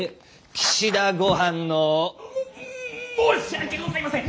「岸田ゴハン」の。も申し訳ございませんッ！